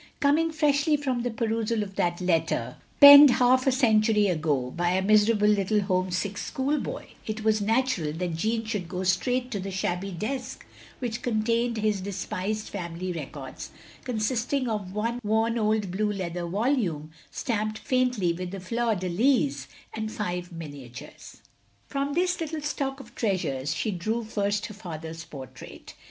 Coming freshly from the perusal of that letter, penned half a century ago, by a miserable little home sick schoolboy, it was natural that Jeanne should go straight to the shabby desk which contained his despised family records; consisting of one worn old blue leather volume, stamped faintly with the fleur de lys, and five miniatures. From this little stock of treasures, she drew first her father's portrait.